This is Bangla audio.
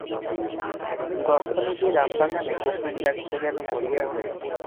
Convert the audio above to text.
গন্ধনিবিড় আমবাগানে কোকিল ডাকছে যেন মরিয়া হয়ে।